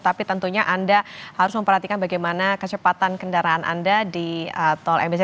tapi tentunya anda harus memperhatikan bagaimana kecepatan kendaraan anda di tol mbz